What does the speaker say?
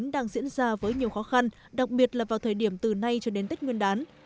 đang diễn ra với nhiều khó khăn đặc biệt là vào thời điểm từ nay cho đến tết nguyên đán